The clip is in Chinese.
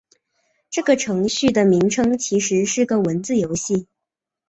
这个程序的名称其实是个文字游戏。